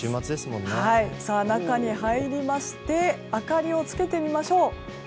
中に入りまして明かりをつけてみましょう。